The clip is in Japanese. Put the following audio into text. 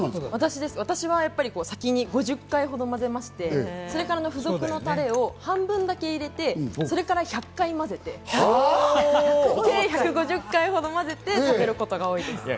私は先に５０回ほど混ぜまして、付属のタレを半分だけ入れて、それから１００回混ぜて、で、１５０回ほど混ぜて食べることが多いです。